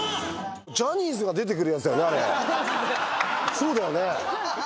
そうだよね？